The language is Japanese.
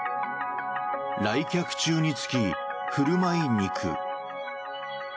来客中につき、振る舞い肉。